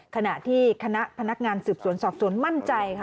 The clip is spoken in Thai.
ขณะที่คณะพนักงานศึกษวนสอกศโมนมั่นใจ